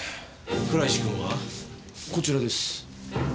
倉石君は？こちらです。